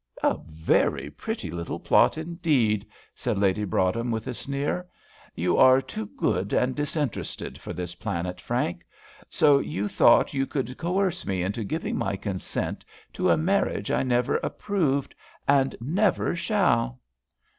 "A very pretty little plot indeed," said Lady Broadhem, with a sneer. "You are too good and disinterested for this planet, Frank. So you thought you could coerce me into giving my consent to a marriage I never have approved, and never shall?"